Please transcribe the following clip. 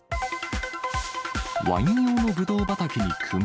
ワイン用のぶどう畑にクマ。